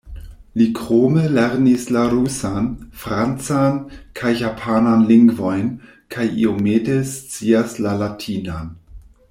Li krome lernis la rusan, francan kaj japanan lingvojn, kaj iomete scias la latinan.